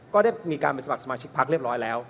ก็ได้มีการเป็นสมัครสมาชิกพักเรียบร้อยแล้ว